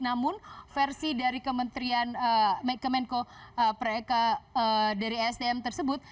namun versi dari kementerian kemenko dari esdm tersebut